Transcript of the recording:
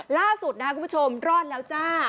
ล่าสุดนะครับคุณผู้ชมรอดแล้วจ้า